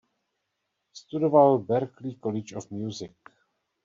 Studoval Berklee College of Music.